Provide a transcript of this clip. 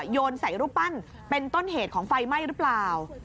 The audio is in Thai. โยนใส่รูปปั้นเป็นต้นเหตุของไฟไหม้หรือเปล่า